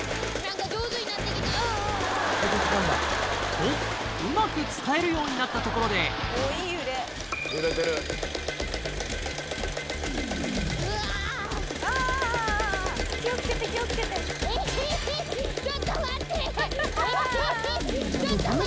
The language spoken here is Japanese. とうまく使えるようになったところでエッヘッヘちょっと待って！